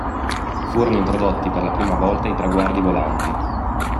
Furono introdotti per la prima volta i traguardi volanti.